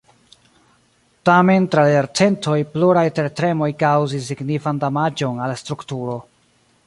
Tamen tra la jarcentoj pluraj tertremoj kaŭzis signifan damaĝon al la strukturo.